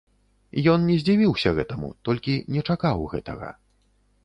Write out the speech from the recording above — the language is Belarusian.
Ён не здзівіўся гэтаму, толькі не чакаў гэтага.